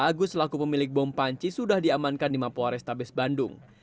agus laku pemilik bumpanci sudah diamankan di mapoare stabes bandung